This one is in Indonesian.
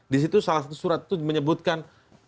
di situ salah satu surat itu menyebutkan